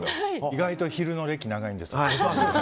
意外と昼の歴、長いんですよ。